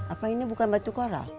apa ini bukan batu kora